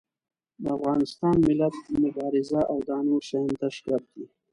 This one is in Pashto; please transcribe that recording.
افغانستان، ملت، مبارزه او دا نور شيان تش ګپ دي.